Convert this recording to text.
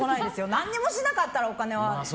何もしなかったらお金はね。